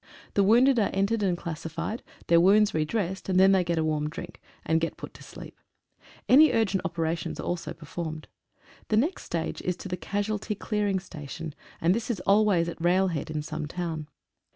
The wounded are entered and classified, their wounds re dressed, and then they get a warm drink, and get put to sleep. Any urgent operations are also performed. The next stage is to the casualty clearing station, this is al ways at rail head in some town.